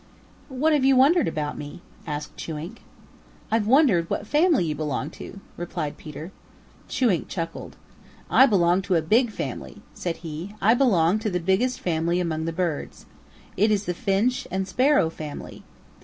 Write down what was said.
"What have you wondered about me?" asked Chewink. "I've wondered what family you belong to," replied Peter. Chewink chuckled. "I belong to a big family," said he. "I belong to the biggest family among the birds. It is the Finch and Sparrow family.